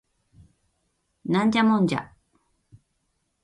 ナンジャモンジャ